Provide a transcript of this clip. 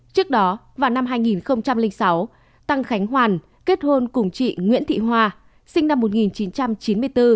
trước đó vào năm hai nghìn sáu tăng khánh hoàn kết hôn cùng chị nguyễn thị hoa sinh năm một nghìn chín trăm chín mươi bốn